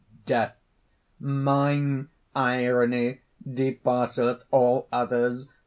DEATH. "Mine irony depasseth all others!